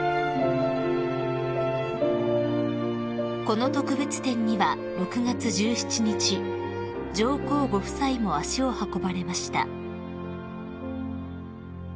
［この特別展には６月１７日上皇ご夫妻も足を運ばれました］